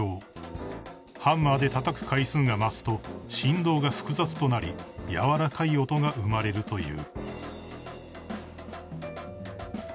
［ハンマーでたたく回数が増すと振動が複雑となり柔らかい音が生まれるという］